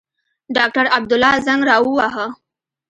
ډاکټر عبدالله زنګ را ووهه.